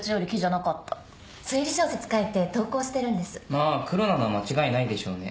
まあクロなのは間違いないでしょうね。